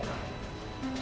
saya khawatir sama dia